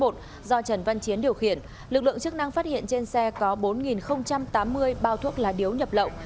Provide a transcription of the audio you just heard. t năm nghìn ba trăm chín mươi một do trần văn chiến điều khiển lực lượng chức năng phát hiện trên xe có bốn tám mươi bao thuốc la điếu nhập lậu